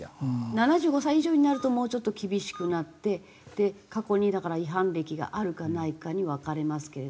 ７５歳以上になるともうちょっと厳しくなって過去に違反歴があるかないかに分かれますけれども。